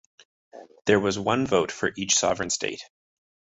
There was one vote for each sovereign state.